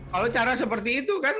kalau cara seperti itu kan